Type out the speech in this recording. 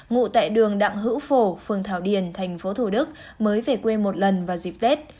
ngụ tại đường đặng hữu phổ phường thảo điền thành phố thủ đức mới về quê một lần vào dịp tết